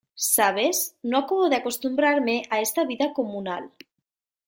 ¿ sabes? no acabo de acostumbrarme a esta vida comunal.